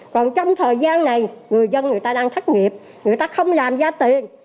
còn trong thời gian này người dân người ta đang khắc nghiệp người ta không làm ra tiền